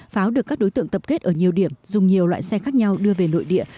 pháo được các đối tượng tập kết ở nhiều điểm dùng nhiều loại xe khác nhau đưa về nội địa